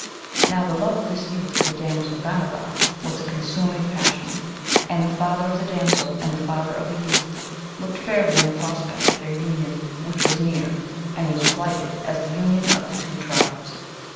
Now, the love of this youth for the damsel Bhanavar was a consuming passion, and the father of the damsel and the father of the youth looked fairly on the prospect of their union, which was near, and was plighted as the union of the two tribes.